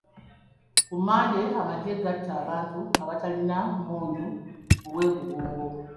Ku Mande amagye gatta abantu abataalina mmundu mu bwegugungo.